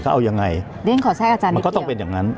เขาเอายังไงมันก็ต้องเป็นอย่างนั้น